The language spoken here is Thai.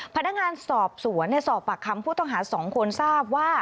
พนักงานสอบสวนสอบปากคำผู้ต้องหา๒คนทราบว่า